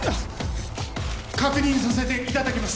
確認させていただきます。